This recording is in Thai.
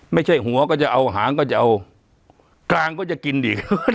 ไม่ใช่หัวก็จะเอาหางก็จะเอากลางก็จะกินอีก